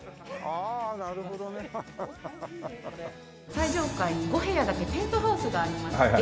最上階に５部屋だけペントハウスがありまして。